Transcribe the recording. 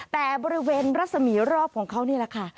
แต่บริเวณรัศมีร์รอบของเขานี่แหละค่ะ